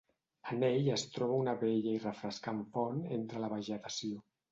En ell es troba una bella i refrescant font entre la vegetació.